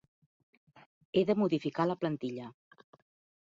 He de modificar la plantilla.